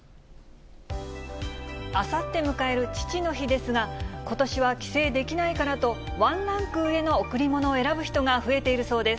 あさって迎える父の日ですが、ことしは帰省できないからと、ワンランク上の贈り物を選ぶ人が増えているそうです。